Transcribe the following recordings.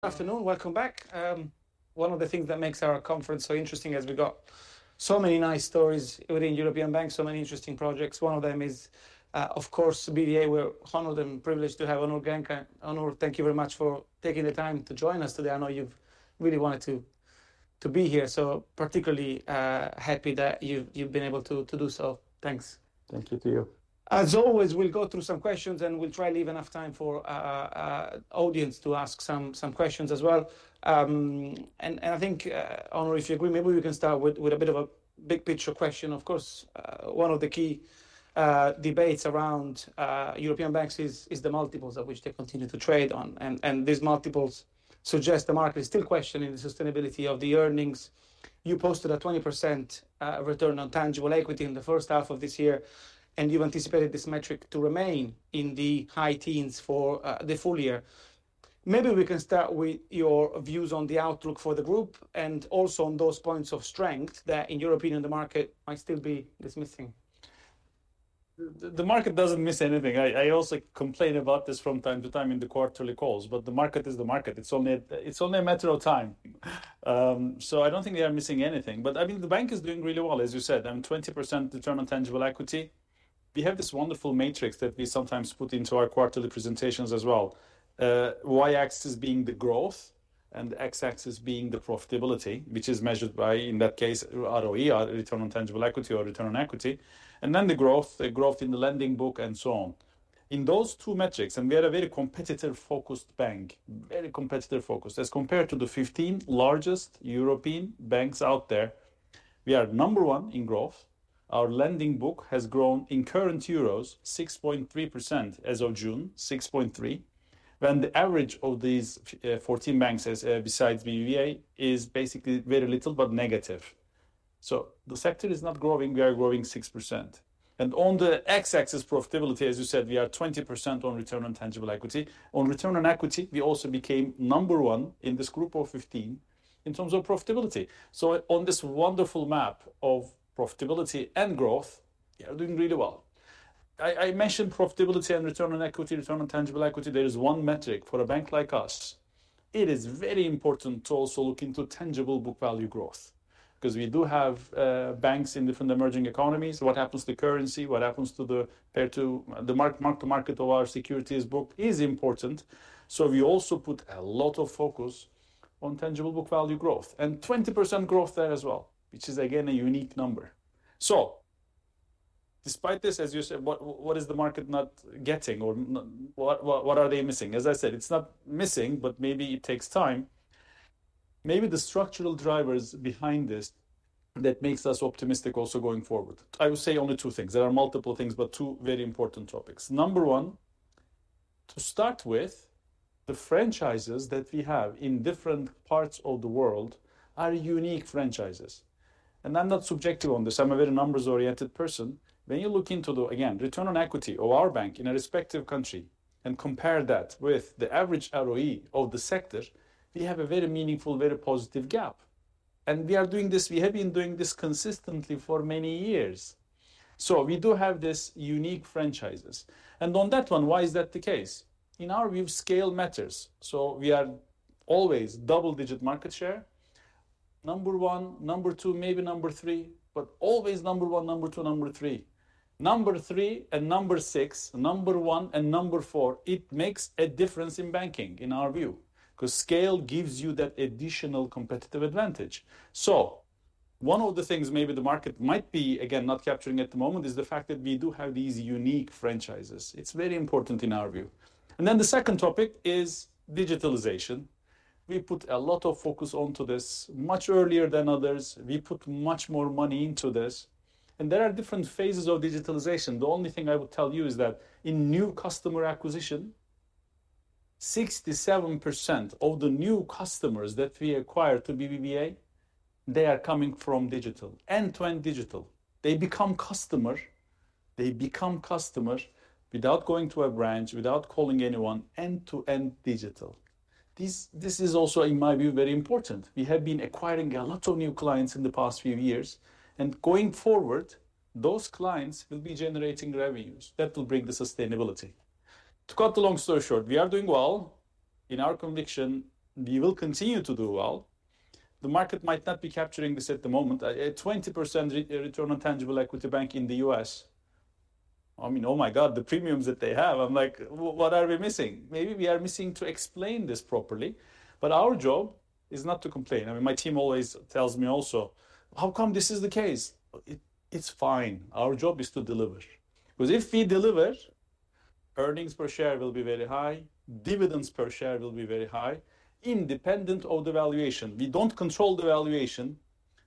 Good afternoon. Welcome back. One of the things that makes our conference so interesting is we've got so many nice stories within European banks, so many interesting projects. One of them is, of course, BBVA. We're honored and privileged to have Onur Genç. Onur, thank you very much for taking the time to join us today. I know you've really wanted to be here, so particularly happy that you've been able to do so. Thanks. Thank you to you. As always, we'll go through some questions, and we'll try to leave enough time for audience to ask some questions as well, and I think, Onur, if you agree, maybe we can start with a bit of a big picture question. Of course, one of the key debates around European banks is the multiples at which they continue to trade on, and these multiples suggest the market is still questioning the sustainability of the earnings. You posted a 20% return on tangible equity in the first half of this year, and you've anticipated this metric to remain in the high teens for the full year. Maybe we can start with your views on the outlook for the group and also on those points of strength that, in your opinion, the market might still be dismissing. The market doesn't miss anything. I also complain about this from time to time in the quarterly calls, but the market is the market. It's only a matter of time. So I don't think they are missing anything, but I mean, the bank is doing really well, as you said, 20% return on tangible equity. We have this wonderful matrix that we sometimes put into our quarterly presentations as well. y-axis being the growth and the x-axis being the profitability, which is measured by, in that case, ROE, return on tangible equity or return on equity, and then the growth in the lending book and so on. In those two metrics, and we are a very competitor-focused bank, very competitor-focused. As compared to the 15 largest European banks out there, we are number one in growth. Our lending book has grown in current euros 6.3% as of June 6.3, when the average of these 14 banks as besides BBVA is basically very little, but negative. So the sector is not growing. We are growing 6%, and on the x-axis, profitability, as you said, we are 20% on return on tangible equity. On return on equity, we also became number one in this group of 15 in terms of profitability. So on this wonderful map of profitability and growth, we are doing really well. I mentioned profitability and return on equity, return on tangible equity. There is one metric for a bank like us. It is very important to also look into tangible book value growth. 'Cause we do have banks in different emerging economies. What happens to currency? What happens to the pair, to the mark-to-market of our securities book is important. So we also put a lot of focus on tangible book value growth, and 20% growth there as well, which is, again, a unique number. So despite this, as you said, what is the market not getting or what are they missing? As I said, it's not missing, but maybe it takes time. Maybe the structural drivers behind this that makes us optimistic also going forward. I would say only two things. There are multiple things, but two very important topics. Number one, to start with, the franchises that we have in different parts of the world are unique franchises, and I'm not subjective on this. I'm a very numbers-oriented person. When you look into the, again, return on equity of our bank in a respective country and compare that with the average ROE of the sector, we have a very meaningful, very positive gap, and we are doing this. We have been doing this consistently for many years, so we do have this unique franchises, and on that one, why is that the case? In our view, scale matters, so we are always double-digit market share, number one, number two, maybe number three, but always number one, number two, number three. Number three and number six, number one and number four, it makes a difference in banking, in our view, 'cause scale gives you that additional competitive advantage, so one of the things maybe the market might be, again, not capturing at the moment is the fact that we do have these unique franchises. It's very important in our view. Then the second topic is digitalization. We put a lot of focus onto this much earlier than others. We put much more money into this, and there are different phases of digitalization. The only thing I will tell you is that in new customer acquisition, 67% of the new customers that we acquire to BBVA, they are coming from digital, end-to-end digital. They become customer, they become customer without going to a branch, without calling anyone, end-to-end digital. This, this is also, in my view, very important. We have been acquiring a lot of new clients in the past few years, and going forward, those clients will be generating revenues. That will bring the sustainability. To cut the long story short, we are doing well. In our conviction, we will continue to do well. The market might not be capturing this at the moment. A 20% return on tangible equity bank in the U.S., I mean, oh, my God, the premiums that they have, I'm like: What are we missing? Maybe we are missing to explain this properly, but our job is not to complain. I mean, my team always tells me also, how come this is the case? It's fine. Our job is to deliver, because if we deliver, earnings per share will be very high, dividends per share will be very high, independent of the valuation. We don't control the valuation,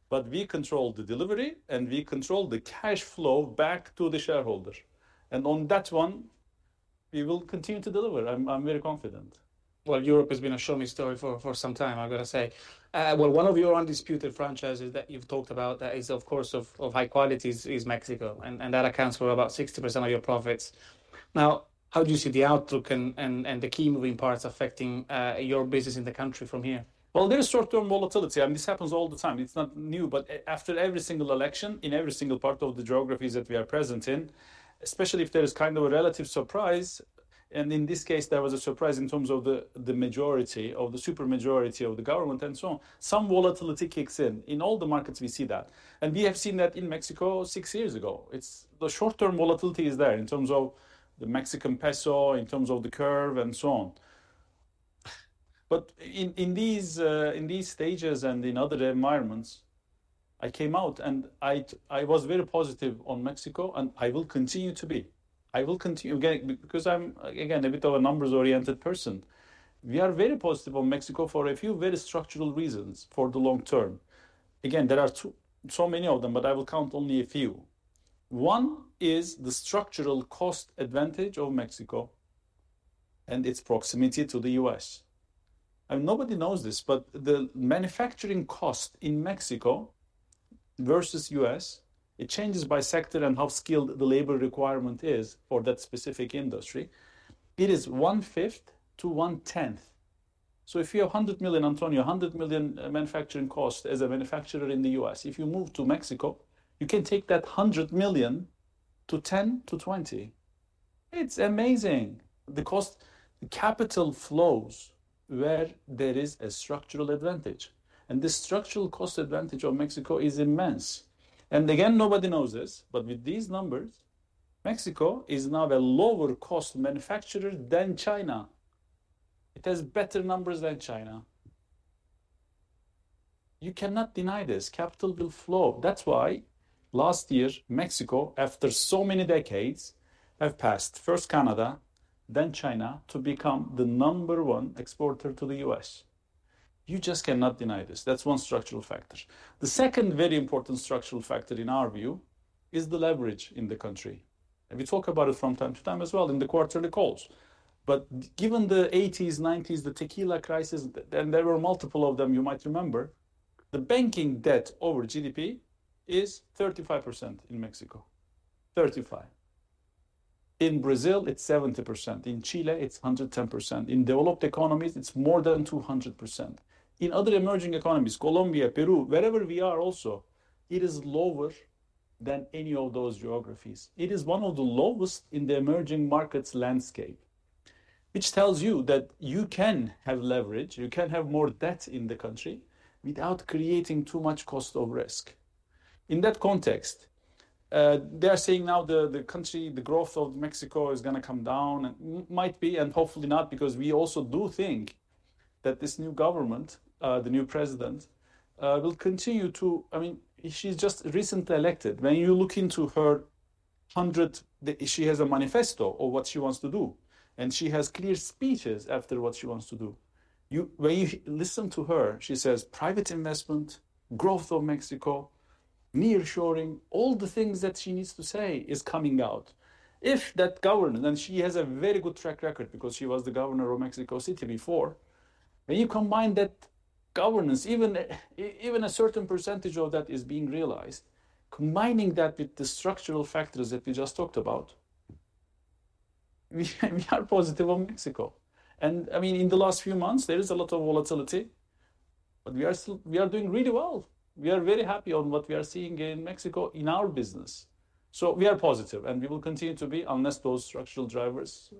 but we control the delivery, and we control the cash flow back to the shareholder, and on that one, we will continue to deliver. I'm very confident. Europe has been a show me story for some time, I've got to say. One of your undisputed franchises that you've talked about that is of course of high quality is Mexico, and that accounts for about 60% of your profits. Now, how do you see the outlook and the key moving parts affecting your business in the country from here? There is short-term volatility. I mean, this happens all the time. It's not new, but after every single election, in every single part of the geographies that we are present in, especially if there is kind of a relative surprise, and in this case, there was a surprise in terms of the majority of the super majority of the government, and so on. Some volatility kicks in. In all the markets, we see that, and we have seen that in Mexico six years ago. The short-term volatility is there in terms of the Mexican peso, in terms of the curve, and so on. But in these stages and in other environments, I came out and I was very positive on Mexico, and I will continue to be. I will continue, again, because I'm again a bit of a numbers-oriented person. We are very positive on Mexico for a few very structural reasons for the long term. Again, there are too many of them, but I will count only a few. One is the structural cost advantage of Mexico and its proximity to the U.S. And nobody knows this, but the manufacturing cost in Mexico versus U.S., it changes by sector and how skilled the labor requirement is for that specific industry. It is 1/5 to 1/10. So if you have $100 million, Antonio, $100 million manufacturing cost as a manufacturer in the U.S., if you move to Mexico, you can take that $100 million to $10 million-$20 million. It's amazing! The cost, the capital flows where there is a structural advantage, and the structural cost advantage of Mexico is immense. Again, nobody knows this, but with these numbers, Mexico is now a lower cost manufacturer than China. It has better numbers than China. You cannot deny this, capital will flow. That's why last year, Mexico, after so many decades, have passed first Canada, then China, to become the number one exporter to the U.S. You just cannot deny this. That's one structural factor. The second very important structural factor, in our view, is the leverage in the country, and we talk about it from time to time as well in the quarterly calls. But given the '80s, '90s, the Tequila Crisis, and there were multiple of them, you might remember, the banking debt over GDP is 35% in Mexico. 35. In Brazil, it's 70%. In Chile, it's 110%. In developed economies, it's more than 200%. In other emerging economies, Colombia, Peru, wherever we are also, it is lower than any of those geographies. It is one of the lowest in the emerging markets landscape, which tells you that you can have leverage, you can have more debt in the country without creating too much cost of risk. In that context, they are saying now the country, the growth of Mexico is gonna come down, and might be, and hopefully not, because we also do think that this new government, the new president, will continue to, I mean, she's just recently elected. When you look into her 100, she has a manifesto of what she wants to do, and she has clear speeches after what she wants to do. When you listen to her, she says, private investment, growth of Mexico, nearshoring, all the things that she needs to say is coming out. If that governance, and she has a very good track record because she was the governor of Mexico City before, when you combine that governance, even a certain percentage of that is being realized, combining that with the structural factors that we just talked about, we are positive on Mexico. I mean, in the last few months, there is a lot of volatility, but we are still doing really well. We are very happy on what we are seeing in Mexico in our business, so we are positive, and we will continue to be, unless those structural drivers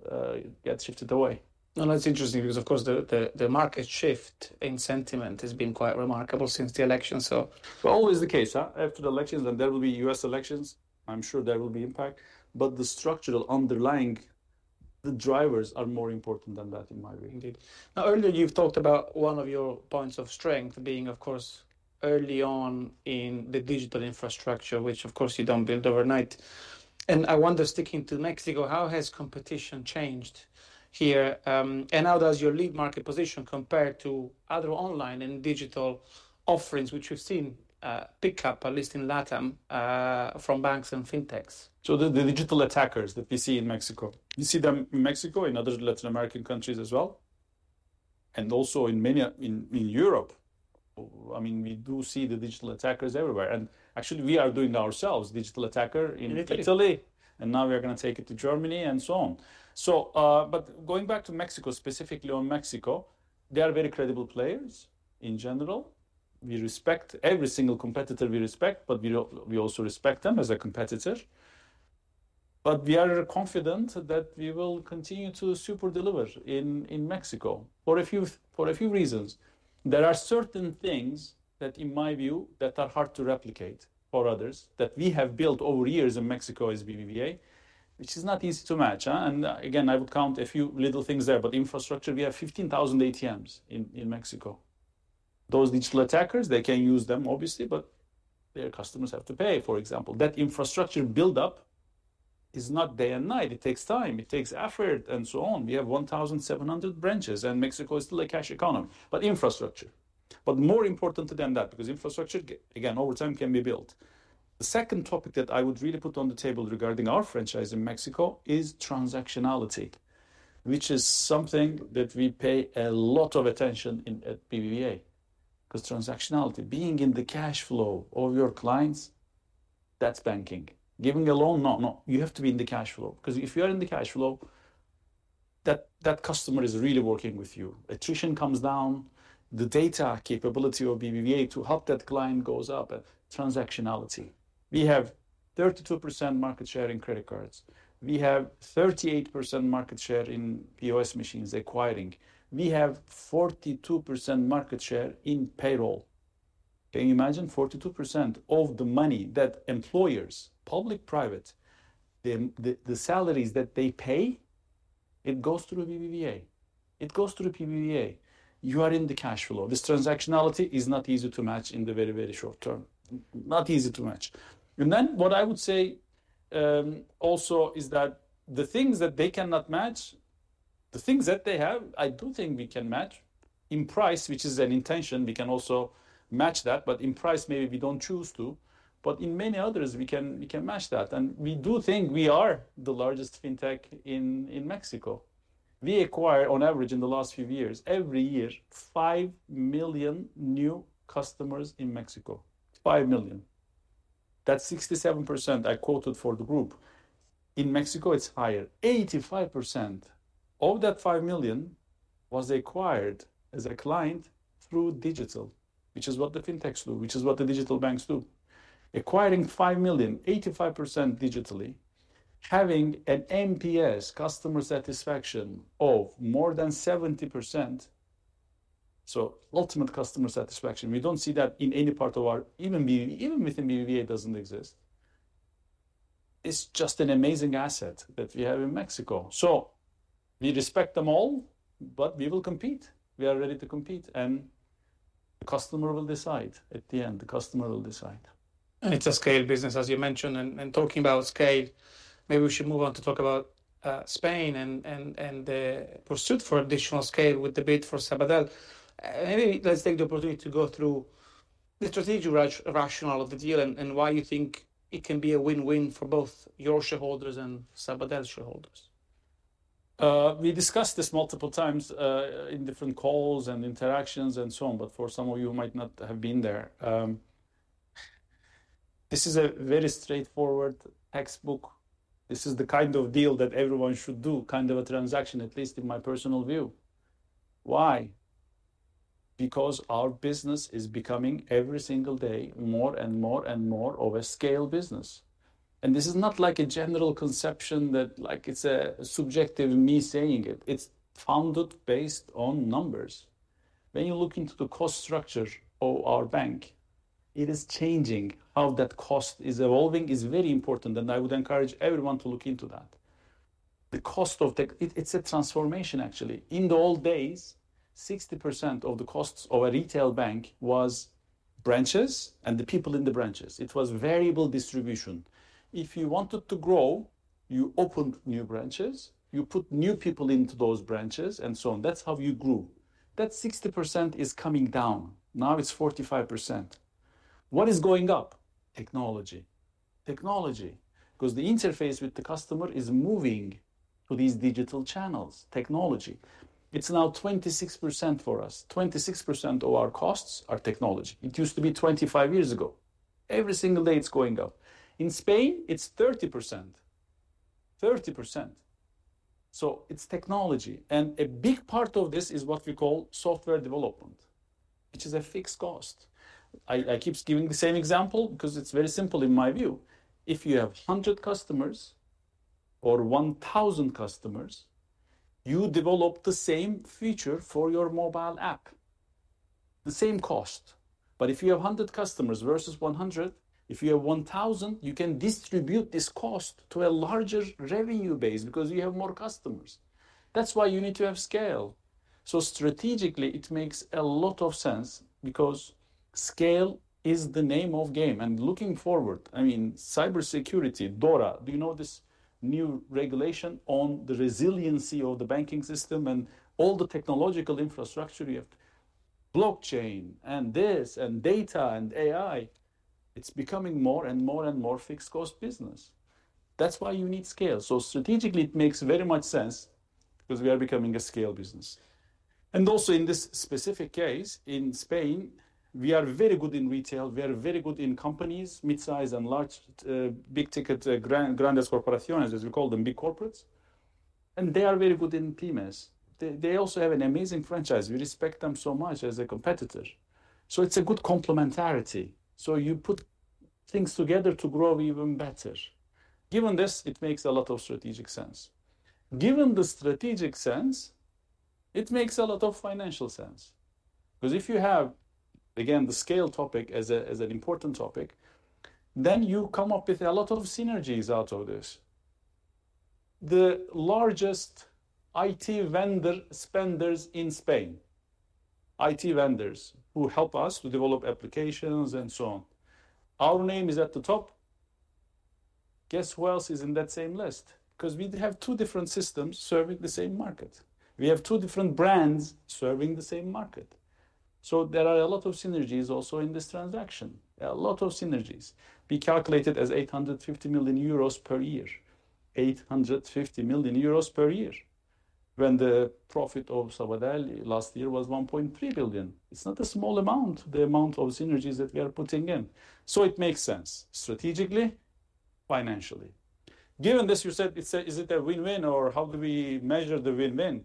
get shifted away. That's interesting because, of course, the market shift in sentiment has been quite remarkable since the election, so. Always the case, huh? After the elections, and there will be U.S. elections, I'm sure there will be impact, but the structural underlying, the drivers are more important than that, in my view. Indeed. Now, earlier you've talked about one of your points of strength being, of course, early on in the digital infrastructure, which of course, you don't build overnight, and I wonder, sticking to Mexico, how has competition changed here, and how does your lead market position compare to other online and digital offerings, which we've seen pick up, at least in LatAm, from banks and fintechs? So the digital attackers that we see in Mexico, in other Latin American countries as well, and also in many in Europe. I mean, we do see the digital attackers everywhere, and actually we are doing it ourselves, digital attacker in Italy. In Italy And now we are gonna take it to Germany, and so on. But going back to Mexico, specifically on Mexico, they are very credible players in general. We respect every single competitor we respect, but we also respect them as a competitor. But we are confident that we will continue to super deliver in Mexico for a few reasons. There are certain things that, in my view, that are hard to replicate for others, that we have built over years in Mexico as BBVA, which is not easy to match. And again, I would count a few little things there, but infrastructure, we have 15,000 ATMs in Mexico. Those digital attackers, they can use them obviously, but their customers have to pay, for example. That infrastructure build-up is not day and night. It takes time, it takes effort, and so on. We have 1,700 branches, and Mexico is still a cash economy, but infrastructure. But more important than that, because infrastructure, again, over time, can be built. The second topic that I would really put on the table regarding our franchise in Mexico is transactionality, which is something that we pay a lot of attention in at BBVA. Because transactionality, being in the cash flow of your clients, that's banking. Giving a loan? No, no, you have to be in the cash flow. Because if you are in the cash flow, that customer is really working with you. Attrition comes down, the data capability of BBVA to help that client goes up, and transactionality. We have 32% market share in credit cards. We have 38% market share in POS machines acquiring. We have 42% market share in payroll. Can you imagine? 42% of the money that employers, public, private, the salaries that they pay, it goes through BBVA. It goes through the BBVA. You are in the cash flow. This transactionality is not easy to match in the very, very short term. Not easy to match. And then what I would say, also is that the things that they cannot match, the things that they have, I do think we can match in price, which is an intention. We can also match that, but in price, maybe we don't choose to, but in many others, we can, we can match that, and we do think we are the largest fintech in Mexico. We acquire, on average, in the last few years, every year, 5 million new customers in Mexico, 5 million. That 67% I quoted for the group. In Mexico, it's higher. 85% of that 5 million was acquired as a client through digital, which is what the fintechs do, which is what the digital banks do. Acquiring 5 million, 85% digitally, having an NPS customer satisfaction of more than 70%, so ultimate customer satisfaction, we don't see that in any part of our even within BBVA. It doesn't exist. It's just an amazing asset that we have in Mexico. So we respect them all, but we will compete. We are ready to compete, and the customer will decide. At the end, the customer will decide. And it's a scale business, as you mentioned, and talking about scale, maybe we should move on to talk about Spain and the pursuit for additional scale with the bid for Sabadell. Maybe let's take the opportunity to go through the strategic rationale of the deal and why you think it can be a win-win for both your shareholders and Sabadell's shareholders. We discussed this multiple times, in different calls and interactions, and so on, but for some of you who might not have been there, this is a very straightforward textbook. This is the kind of deal that everyone should do, kind of a transaction, at least in my personal view. Why? Because our business is becoming, every single day, more and more and more of a scale business. And this is not like a general conception that, like, it's a subjective me saying it. It's founded based on numbers. When you look into the cost structure of our bank, it is changing. How that cost is evolving is very important, and I would encourage everyone to look into that. The cost of tech, it's a transformation actually. In the old days, 60% of the costs of a retail bank was branches and the people in the branches, it was variable distribution. If you wanted to grow, you opened new branches, you put new people into those branches, and so on. That's how you grew. That 60% is coming down. Now, it's 45%. What is going up? Technology. Technology. Because the interface with the customer is moving to these digital channels, technology. It's now 26% for us. 26% of our costs are technology. It used to be 25 years ago. Every single day, it's going up. In Spain, it's 30%. 30%. So it's technology, and a big part of this is what we call software development, which is a fixed cost. I keep giving the same example because it's very simple in my view. If you have 100 customers or 1000 customers, you develop the same feature for your mobile app, the same cost. But if you have 100 customers versus 100, if you have 1000, you can distribute this cost to a larger revenue base because you have more customers. That's why you need to have scale, so strategically, it makes a lot of sense because scale is the name of game, and looking forward, I mean, cybersecurity, DORA. Do you know this new regulation on the resiliency of the banking system and all the technological infrastructure? You have blockchain, and this, and data, and AI, it's becoming more and more and more fixed-cost business. That's why you need scale, so strategically, it makes very much sense because we are becoming a scale business. And also, in this specific case, in Spain, we are very good in retail. We are very good in companies, mid-size and large, big-ticket, grandes corporaciones, as we call them, big corporates. And they are very good in SMEs. They also have an amazing franchise. We respect them so much as a competitor, so it's a good complementarity. So you put things together to grow even better. Given this, it makes a lot of strategic sense. Given the strategic sense, it makes a lot of financial sense, because if you have, again, the scale topic as an important topic, then you come up with a lot of synergies out of this. The largest IT vendor spenders in Spain, IT vendors who help us to develop applications and so on, our name is at the top. Guess who else is in that same list? Because we have two different systems serving the same market. We have two different brands serving the same market. So there are a lot of synergies also in this transaction. There are a lot of synergies. We calculate it as 850 million euros per year. 850 million euros per year. When the profit of Sabadell last year was 1.3 billion. It's not a small amount, the amount of synergies that we are putting in. So it makes sense strategically, financially. Given this, you said, it's a, is it a win-win or how do we measure the win-win?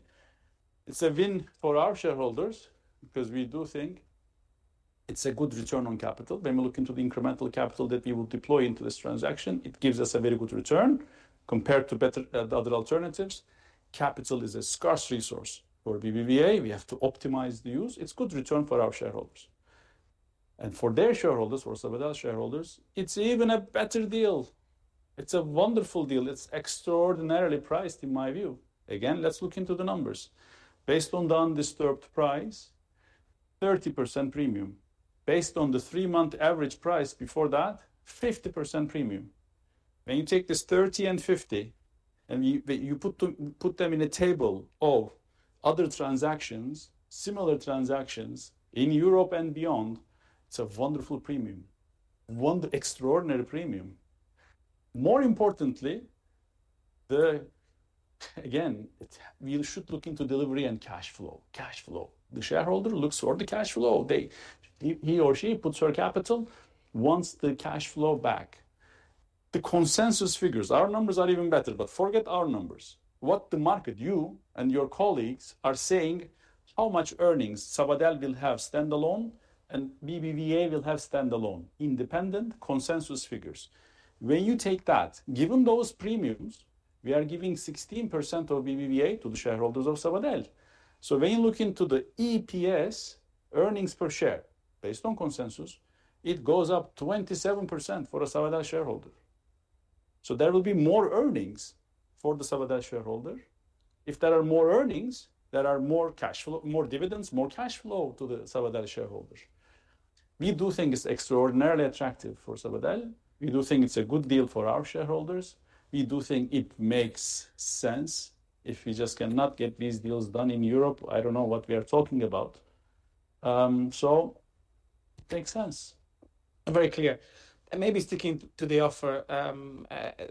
It's a win for our shareholders because we do think, it's a good return on capital. When we look into the incremental capital that we will deploy into this transaction, it gives us a very good return compared to better, the other alternatives. Capital is a scarce resource for BBVA. We have to optimize the use. It's good return for our shareholders. For their shareholders, for Sabadell shareholders, it's even a better deal. It's a wonderful deal. It's extraordinarily priced, in my view. Again, let's look into the numbers. Based on the undisturbed price, 30% premium. Based on the three-month average price before that, 50% premium. When you take this 30% and 50%, and you put them in a table of other transactions, similar transactions in Europe and beyond, it's a wonderful premium. Extraordinary premium. More importantly, again, we should look into delivery and cash flow. Cash flow. The shareholder looks for the cash flow. He or she puts her capital, wants the cash flow back. The consensus figures, our numbers are even better, but forget our numbers. What the market, you and your colleagues are saying, how much earnings Sabadell will have standalone, and BBVA will have standalone, independent consensus figures. When you take that, given those premiums, we are giving 16% of BBVA to the shareholders of Sabadell. So when you look into the EPS, earnings per share, based on consensus, it goes up 27% for a Sabadell shareholder. So there will be more earnings for the Sabadell shareholder. If there are more earnings, there are more cash flow, more dividends, more cash flow to the Sabadell shareholders. We do think it's extraordinarily attractive for Sabadell. We do think it's a good deal for our shareholders. We do think it makes sense. If we just cannot get these deals done in Europe, I don't know what we are talking about. So it makes sense. Very clear. And maybe sticking to the offer,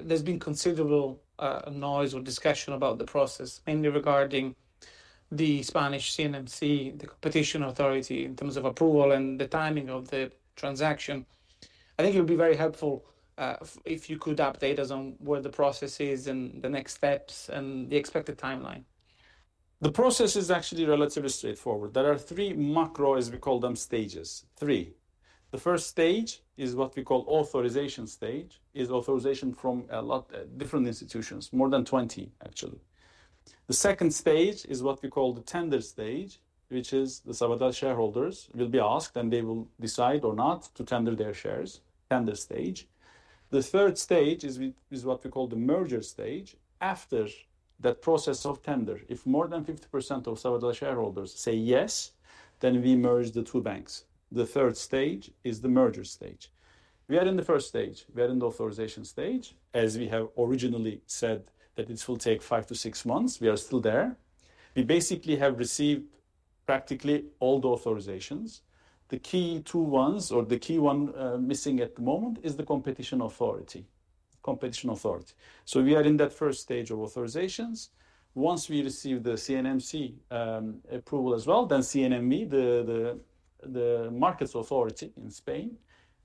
there's been considerable noise or discussion about the process, mainly regarding the Spanish CNMC, the Competition Authority, in terms of approval and the timing of the transaction. I think it would be very helpful, if you could update us on where the process is, and the next steps, and the expected timeline. The process is actually relatively straightforward. There are three macro, as we call them, stages. Three. The first stage is what we call authorization stage, is authorization from a lot, different institutions, more than 20, actually. The second stage is what we call the tender stage, which is the Sabadell shareholders will be asked, and they will decide or not to tender their shares, tender stage. The third stage is what we call the merger stage. After that process of tender, if more than 50% of Sabadell shareholders say yes, then we merge the two banks. The third stage is the merger stage. We are in the first stage. We are in the authorization stage, as we have originally said that it will take five to six months. We are still there. We basically have received practically all the authorizations. The key two ones, or the key one, missing at the moment, is the Competition Authority, so we are in that first stage of authorizations. Once we receive the CNMC approval as well, then CNMV, the markets authority in Spain,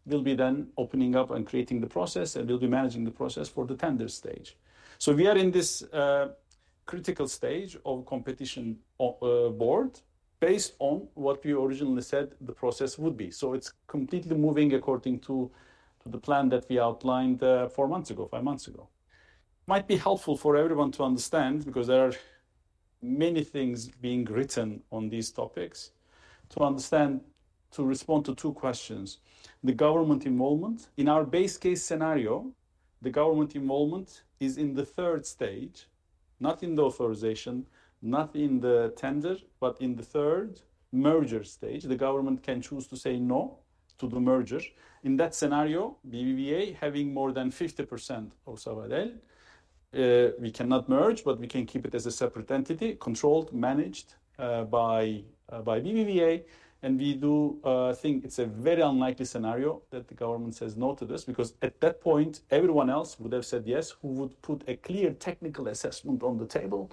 will be then opening up and creating the process, and will be managing the process for the tender stage, so we are in this critical stage of competition board, based on what we originally said the process would be, so it's completely moving according to the plan that we outlined four months ago, five months ago. Might be helpful for everyone to understand, because there are many things being written on these topics, to respond to two questions. The government involvement, in our base case scenario, the government involvement is in the third stage, not in the authorization, not in the tender, but in the third merger stage. The government can choose to say no to the merger. In that scenario, BBVA having more than 50% of Sabadell, we cannot merge, but we can keep it as a separate entity, controlled, managed, by BBVA. and we do think it's a very unlikely scenario that the government says no to this, because at that point, everyone else would have said yes, who would put a clear technical assessment on the table,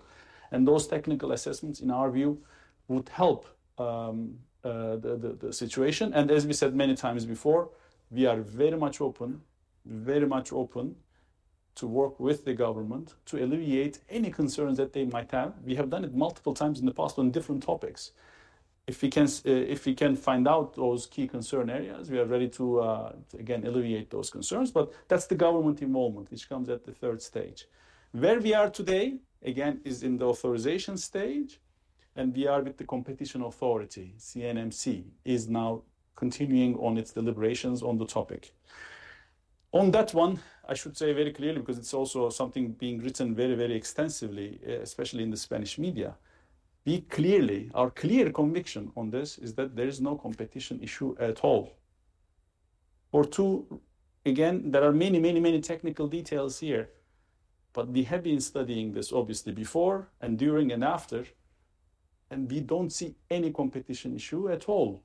and those technical assessments, in our view, would help, the situation. As we said many times before, we are very much open, very much open, to work with the government to alleviate any concerns that they might have. We have done it multiple times in the past on different topics. If we can find out those key concern areas, we are ready to again alleviate those concerns, but that's the government involvement, which comes at the third stage. Where we are today, again, is in the authorization stage, and we are with the Competition Authority. CNMC is now continuing on its deliberations on the topic. On that one, I should say very clearly, because it's also something being written very, very extensively, especially in the Spanish media, we clearly, our clear conviction on this is that there is no competition issue at all. Or two, again, there are many, many, many technical details here, but we have been studying this obviously before, and during, and after, and we don't see any competition issue at all.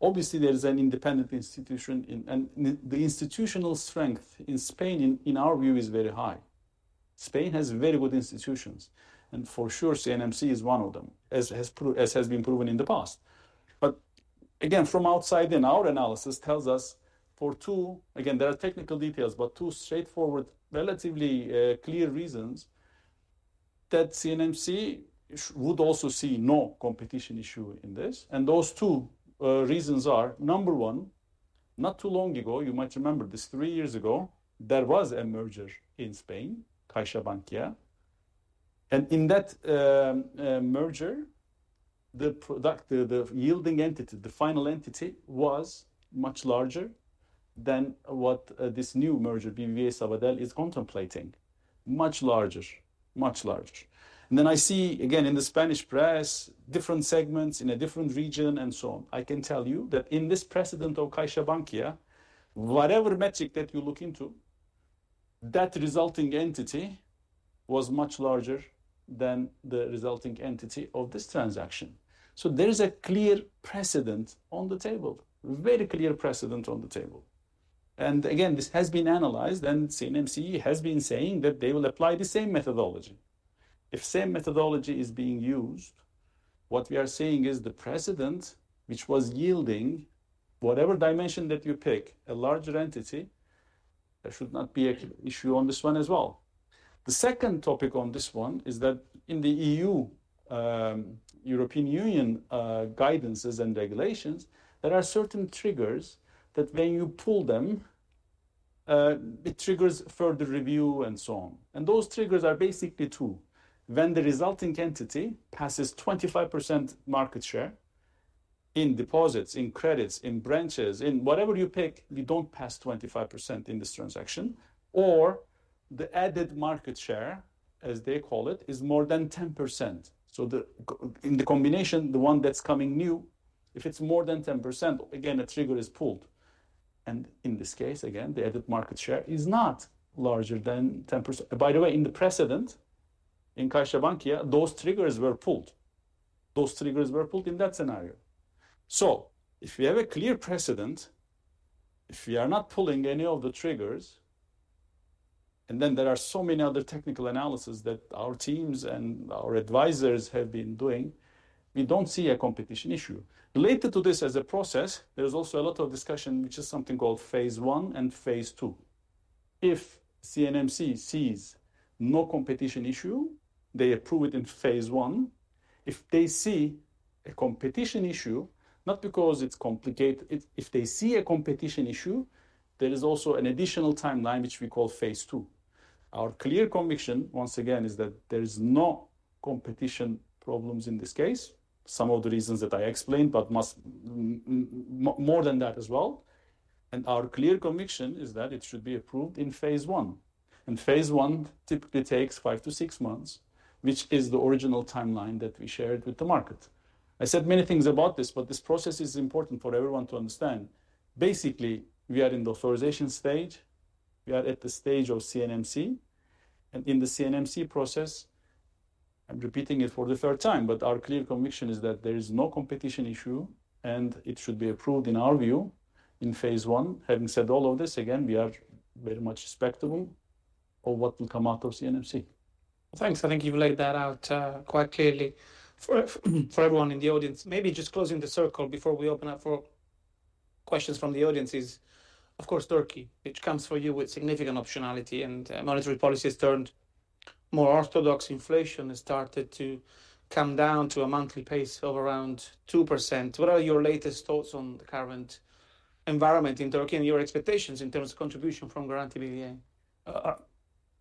Obviously, there is an independent institution and the institutional strength in Spain, in our view, is very high. Spain has very good institutions, and for sure, CNMC is one of them, as has been proven in the past. But again, from outside, and our analysis tells us for two, again, there are technical details, but two straightforward, relatively clear reasons that CNMC would also see no competition issue in this. Those two reasons are number one. Not too long ago, you might remember this. Three years ago, there was a merger in Spain, CaixaBank. And in that merger, the product, the yielding entity, the final entity, was much larger than what this new merger, BBVA-Sabadell, is contemplating. Much larger. Much larger. And then I see, again, in the Spanish press, different segments in a different region, and so on. I can tell you that in this precedent of CaixaBank, whatever metric that you look into, that resulting entity was much larger than the resulting entity of this transaction. So there is a clear precedent on the table, very clear precedent on the table. And again, this has been analyzed, and CNMC has been saying that they will apply the same methodology. If same methodology is being used, what we are saying is the precedent, which was yielding, whatever dimension that you pick, a larger entity, there should not be an issue on this one as well. The second topic on this one is that in the EU, European Union, guidances and regulations, there are certain triggers that when you pull them, it triggers further review, and so on. And those triggers are basically two. When the resulting entity passes 25% market share in deposits, in credits, in branches, in whatever you pick, we don't pass 25% in this transaction, or the added market share, as they call it, is more than 10%. So the gap in the combination, the one that's coming new, if it's more than 10%, again, a trigger is pulled, and in this case, again, the added market share is not larger than 10%. By the way, in the precedent, in CaixaBank, those triggers were pulled. Those triggers were pulled in that scenario. So if we have a clear precedent, if we are not pulling any of the triggers, and then there are so many other technical analysis that our teams and our advisors have been doing, we don't see a competition issue. Related to this as a process, there's also a lot of discussion, which is something called phase I and phase II. If CNMC sees no competition issue, they approve it in phase I. If they see a competition issue, not because it's complicated, if they see a competition issue, there is also an additional timeline, which we call phase II. Our clear conviction, once again, is that there is no competition problems in this case. Some of the reasons that I explained, but much more than that as well, and our clear conviction is that it should be approved in phase I. Phase I typically takes five-to-six months, which is the original timeline that we shared with the market. I said many things about this, but this process is important for everyone to understand. Basically, we are in the authorization stage. We are at the stage of CNMC, and in the CNMC process, I'm repeating it for the third time, but our clear conviction is that there is no competition issue, and it should be approved, in our view, in phase I. Having said all of this, again, we are very much respectful of what will come out of CNMC. Thanks. I think you've laid that out quite clearly for everyone in the audience. Maybe just closing the circle before we open up for questions from the audience is, of course, Turkey, which comes for you with significant optionality and monetary policy has turned more orthodox. Inflation has started to come down to a monthly pace of around 2%. What are your latest thoughts on the current environment in Turkey and your expectations in terms of contribution from Garanti BBVA?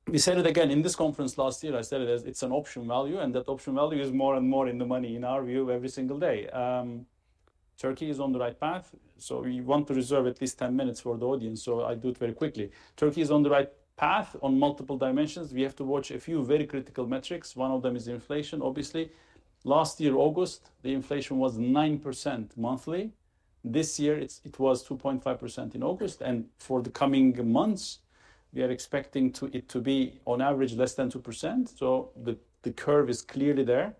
We said it again in this conference last year. I said it as it's an option value, and that option value is more and more in the money, in our view, every single day. Turkey is on the right path, so we want to reserve at least ten minutes for the audience, so I'll do it very quickly. Turkey is on the right path on multiple dimensions. We have to watch a few very critical metrics. One of them is inflation, obviously. Last year, August, the inflation was 9% monthly. This year, it was 2.5% in August, and for the coming months, we are expecting it to be, on average, less than 2%. So the curve is clearly there.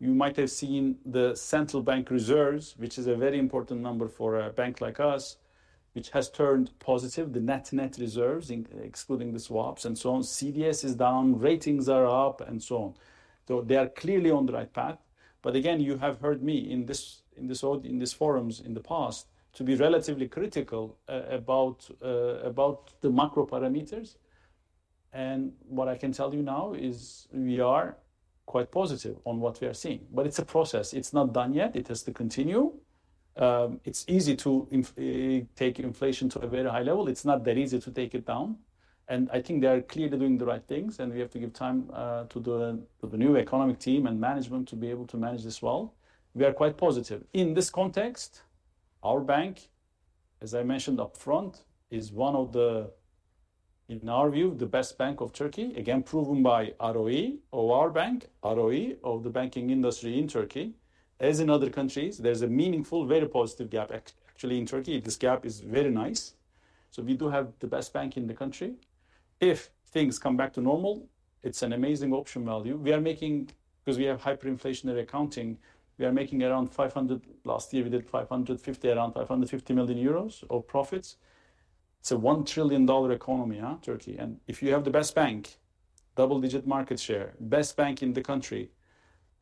You might have seen the central bank reserves, which is a very important number for a bank like us, which has turned positive, the net reserves, excluding the swaps and so on. CDS is down, ratings are up, and so on. So they are clearly on the right path. But again, you have heard me in these forums in the past to be relatively critical about the macro parameters. And what I can tell you now is we are quite positive on what we are seeing, but it's a process. It's not done yet. It has to continue. It's easy to take inflation to a very high level. It's not that easy to take it down, and I think they are clearly doing the right things, and we have to give time to the new economic team and management to be able to manage this well. We are quite positive. In this context, our bank, as I mentioned upfront, is one of the, in our view, the best bank of Turkey, again, proven by ROE or our bank, ROE of the banking industry in Turkey. As in other countries, there's a meaningful, very positive gap, actually, in Turkey, this gap is very nice. So we do have the best bank in the country. If things come back to normal, it's an amazing option value. We are making, because we have hyperinflationary accounting, we are making around 500 million Last year, we did 550 million euros of profits. It's a $1 trillion economy, huh, Turkey, and if you have the best bank, double-digit market share, best bank in the country.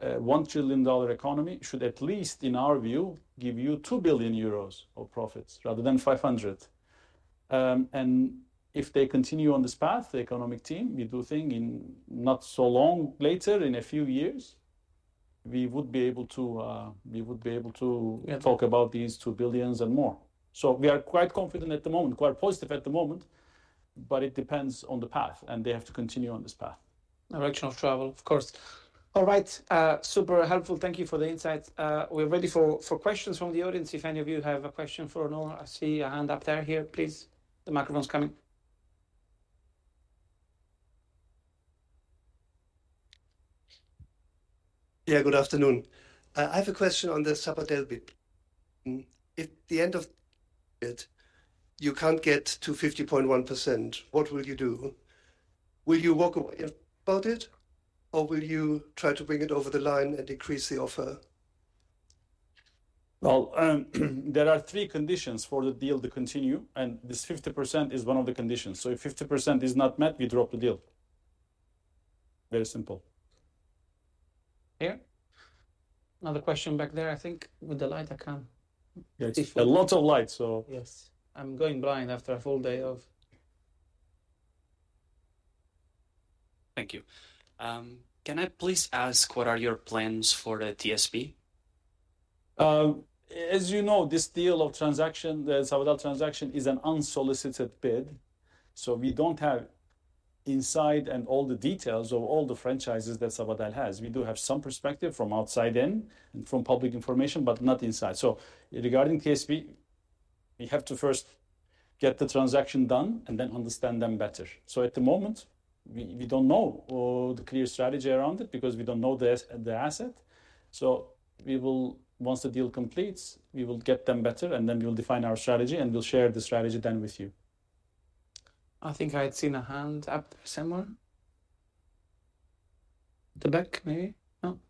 $1 trillion economy should at least, in our view, give you 2 billion euros of profits rather than 500 million. And if they continue on this path, the economic team, we do think in not so long, later, in a few years, we would be able to. Yeah Talk about these 2 billion and more. So we are quite confident at the moment, quite positive at the moment, but it depends on the path, and they have to continue on this path. Direction of travel, of course. All right, super helpful. Thank you for the insights. We're ready for questions from the audience, if any of you have a question for Onur. I see a hand up there. Here, please, the microphone's coming. Yeah, good afternoon. I have a question on the Sabadell bid. If at the end of it, you can't get to 50.1%, what will you do? Will you walk away about it, or will you try to bring it over the line and decrease the offer? There are three conditions for the deal to continue, and this 50% is one of the conditions. So if 50% is not met, we drop the deal. Very simple. Here. Another question back there, I think, with the light I can. It's a lot of light, so. Yes. I'm going blind after a full day of. Thank you. Can I please ask, what are your plans for the TSB? As you know, this deal of transaction, the Sabadell transaction, is an unsolicited bid, so we don't have insight and all the details of all the franchises that Sabadell has. We do have some perspective from outside in and from public information, but not inside. So regarding TSB, we have to first get the transaction done and then understand them better. So at the moment, we don't know the clear strategy around it because we don't know the asset. So we will. Once the deal completes, we will get them better, and then we'll define our strategy, and we'll share the strategy then with you. I think I had seen a hand up somewhere. At the back, maybe? No.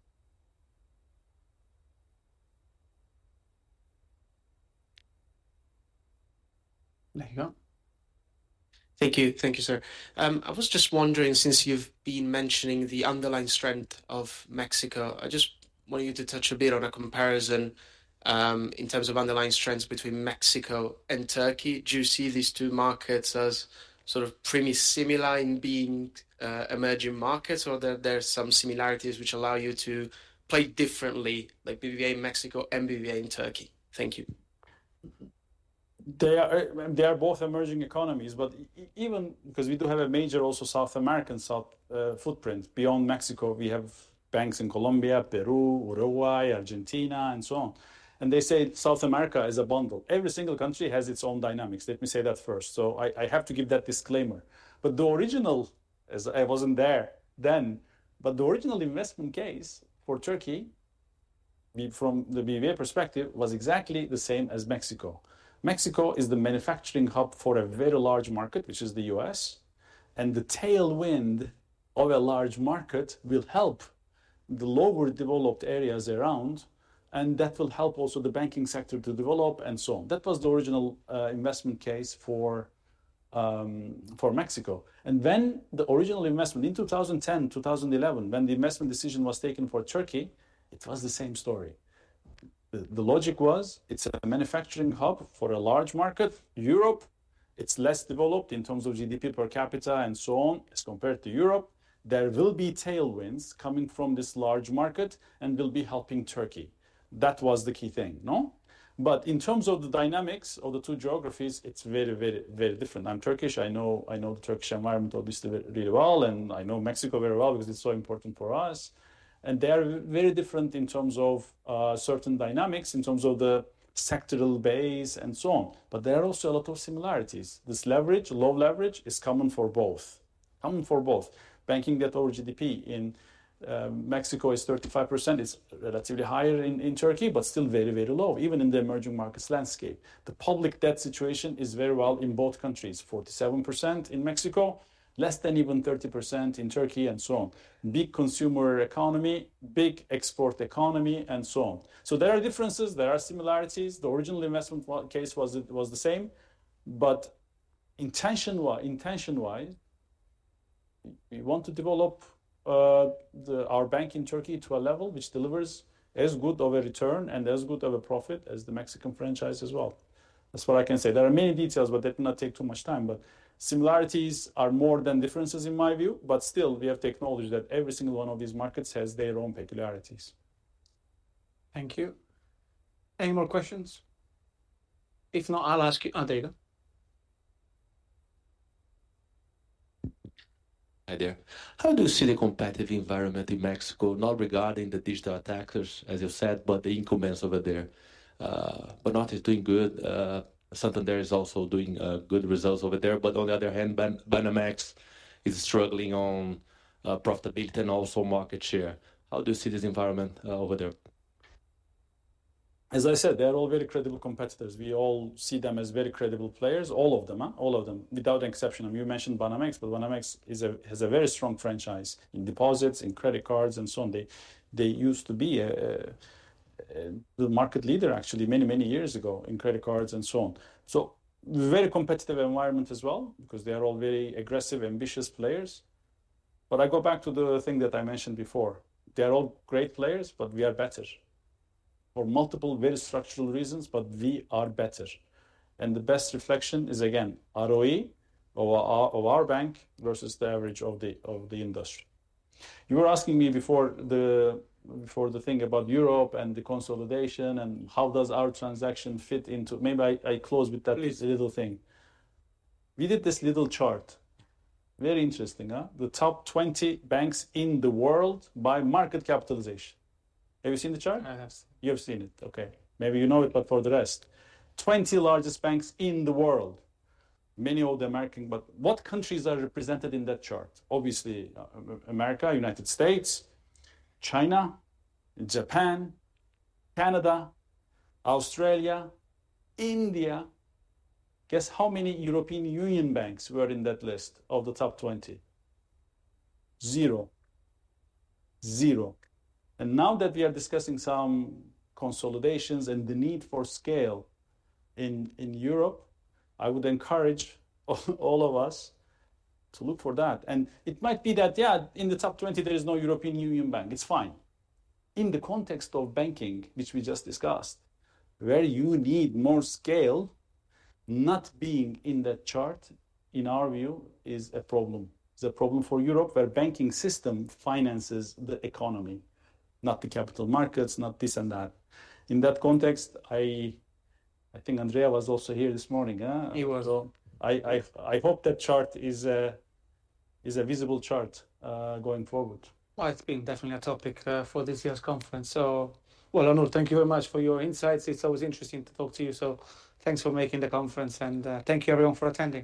There you go. Thank you. Thank you, sir. I was just wondering, since you've been mentioning the underlying strength of Mexico, I just want you to touch a bit on a comparison, in terms of underlying strengths between Mexico and Turkey. Do you see these two markets as sort of pretty similar in being, emerging markets, or there are some similarities which allow you to play differently, like BBVA in Mexico and BBVA in Turkey? Thank you. Mm-hmm. They are, they are both emerging economies, but even because we do have a major also South American, south, footprint. Beyond Mexico, we have banks in Colombia, Peru, Uruguay, Argentina, and so on, and they say South America is a bundle. Every single country has its own dynamics, let me say that first, so I have to give that disclaimer, but the original, as I wasn't there then, but the original investment case for Turkey, we from the BBVA perspective, was exactly the same as Mexico. Mexico is the manufacturing hub for a very large market, which is the U.S., and the tailwind of a large market will help the lower developed areas around, and that will help also the banking sector to develop and so on. That was the original investment case for Mexico. When the original investment in 2010, 2011, when the investment decision was taken for Turkey, it was the same story. The logic was it's a manufacturing hub for a large market, Europe. It's less developed in terms of GDP per capita and so on, as compared to Europe. There will be tailwinds coming from this large market, and will be helping Turkey. That was the key thing, no? But in terms of the dynamics of the two geographies, it's very, very, very different. I'm Turkish, I know, I know the Turkish environment obviously really well, and I know Mexico very well because it's so important for us, and they are very different in terms of certain dynamics, in terms of the sectoral base and so on. But there are also a lot of similarities. This leverage, low leverage, is common for both. Common for both. Banking debt or GDP in Mexico is 35%, is relatively higher in Turkey, but still very, very low, even in the emerging markets landscape. The public debt situation is very well in both countries, 47% in Mexico, less than even 30% in Turkey, and so on. Big consumer economy, big export economy, and so on. So there are differences, there are similarities. The original investment case was, it was the same, but intention-wise, intention-wise, we want to develop our bank in Turkey to a level which delivers as good of a return and as good of a profit as the Mexican franchise as well. That's what I can say. There are many details, but let not take too much time. But similarities are more than differences, in my view, but still, we have to acknowledge that every single one of these markets has their own peculiarities. Thank you. Any more questions? If not, I'll ask you. Oh, there you go. Hi there. How do you see the competitive environment in Mexico? Not regarding the digital attackers, as you said, but the incumbents over there. Banorte is doing good. Santander is also doing good results over there. But on the other hand, Banamex is struggling on profitability and also market share. How do you see this environment over there? As I said, they are all very credible competitors. We all see them as very credible players. All of them, huh? All of them, without exception. You mentioned Banamex, but Banamex has a very strong franchise in deposits, in credit cards, and so on. They used to be the market leader actually many, many years ago in credit cards and so on. So very competitive environment as well, because they are all very aggressive, ambitious players, but I go back to the thing that I mentioned before: they are all great players, but we are better. For multiple, very structural reasons, but we are better, and the best reflection is, again, ROE of our bank versus the average of the industry. You were asking me before the thing about Europe and the consolidation, and how does our transaction fit into, ,maybe I close with that. Please. Little thing. We did this little chart. Very interesting, huh? The top 20 banks in the world by market capitalization. Have you seen the chart? I have seen. You have seen it, okay. Maybe you know it, but for the rest, 20 largest banks in the world, many of the American, but what countries are represented in that chart? Obviously, America, United States, China, Japan, Canada, Australia, India. Guess how many European Union banks were in that list of the top 20? Zero. Zero. And now that we are discussing some consolidations and the need for scale in Europe, I would encourage all of us to look for that. And it might be that, yeah, in the top 20 there is no European Union bank. It's fine. In the context of banking, which we just discussed, where you need more scale, not being in that chart, in our view, is a problem. It's a problem for Europe, where banking system finances the economy, not the capital markets, not this and that. In that context, I think Andrea was also here this morning? He was, oh. I hope that chart is a visible chart going forward. It's been definitely a topic for this year's conference. Onur, thank you very much for your insights. It's always interesting to talk to you, so thanks for making the conference, and thank you everyone for attending.